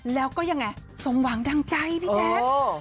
แล้วก็ยังไงสมหวังดังใจพี่แจ๊ค